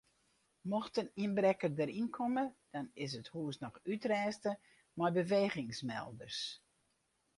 Mocht in ynbrekker deryn komme dan is it hús noch útrêste mei bewegingsmelders.